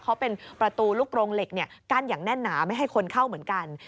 เขาเป็นประตูลูกโรงเหล็กกั้นอย่างแน่นหนาไม่ให้คนเข้าเหมือนกัน